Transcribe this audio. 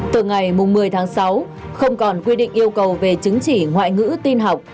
từ ngày một mươi tháng sáu không còn quy định yêu cầu về chứng chỉ ngoại ngữ tin học